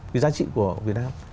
cái giá trị của người việt nam